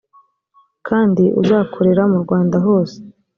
kandi uzakorera mu rwanda hose